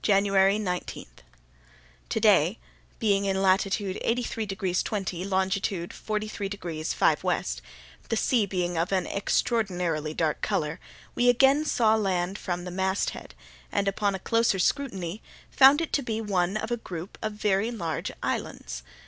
January 19.—To day, being in latitude 83 degrees 20', longitude 43 degrees 5' W. (the sea being of an extraordinarily dark colour), we again saw land from the masthead, and, upon a closer scrutiny, found it to be one of a group of very large islands.